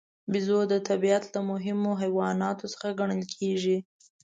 بیزو د طبیعت له مهمو حیواناتو څخه ګڼل کېږي.